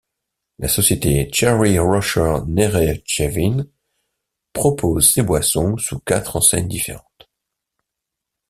La société Cherry Rocher Neyret-Chavin propose ses boissons sous quatre enseignes différentes.